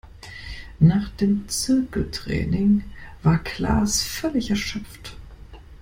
Nach dem Zirkeltraining war Klaas völlig erschöpft.